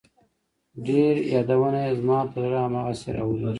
ډېر يادونه يې زما په زړه هم هغسې راوريږي